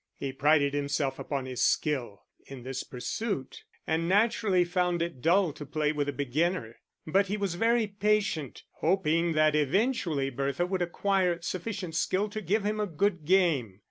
He prided himself upon his skill in this pursuit and naturally found it dull to play with a beginner; but he was very patient, hoping that eventually Bertha would acquire sufficient skill to give him a good game.